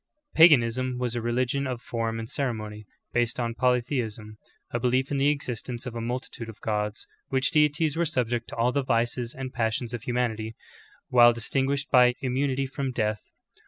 Paganism^ was a re ligion of form and ceremony, based on polytheism — a be lief in the existence of a multitude of gods, which deities were subject to all the vices and passions of humanity, while distinguished by immunity from death.